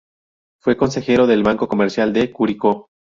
Fue consejero del Banco Comercial de Curicó.